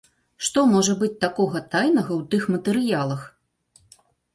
Што можа быць такога тайнага ў тых матэрыялах?